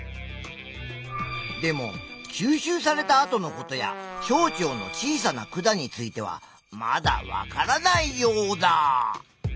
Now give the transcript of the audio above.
でも吸収されたあとのことや小腸の小さな管についてはまだわからないヨウダ！